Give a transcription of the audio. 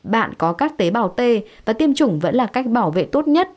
bạn có các tế bào t và tiêm chủng vẫn là cách bảo vệ tốt nhất